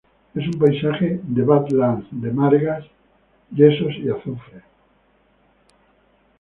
Es un paisaje de badlands, de margas, yesos y azufre.